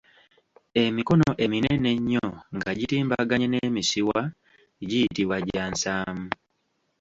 Emikono eminene ennyo nga gitimbaganye n’emisiwa giyitibwa gya Nsaamu.